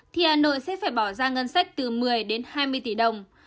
thì hà nội sẽ phải bỏ ra ngân sách từ một mươi đến hai mươi tỷ đồng